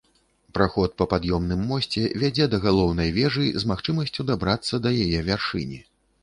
Праход па пад'ёмным мосце вядзе да галоўнай вежы, з магчымасцю дабрацца да яе вяршыні.